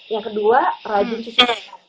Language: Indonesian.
yang kedua rajin cuci